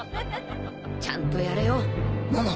ちゃんとやれよモモ